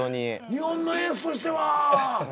日本のエースとしては。